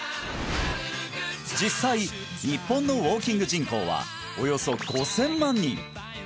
実際日本のウォーキング人口はおよそ５０００万人